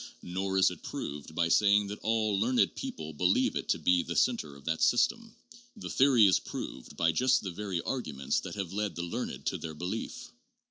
Nor is it proved by saying that all learned people believe it to be the center of that system. The theory is proved by just the very arguments that have led the learned to their belief.